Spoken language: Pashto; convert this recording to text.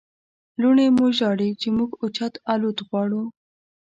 لوڼې مو ژاړي چې موږ اوچت الوت غواړو.